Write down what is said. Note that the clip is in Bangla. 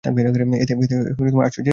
এতে আশ্চর্যের কিছুই নেই।